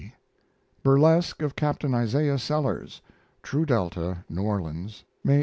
Burlesque of Capt. Isaiah Sellers True Delta (New Orleans), May 8 or 9.